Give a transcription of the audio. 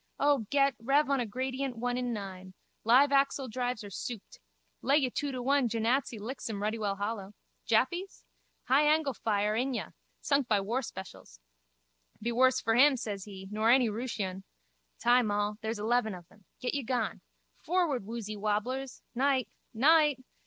O, get, rev on a gradient one in nine. Live axle drives are souped. Lay you two to one Jenatzy licks him ruddy well hollow. Jappies? High angle fire, inyah! Sunk by war specials. Be worse for him, says he, nor any Rooshian. Time all. There's eleven of them. Get ye gone. Forward, woozy wobblers! Night. Night.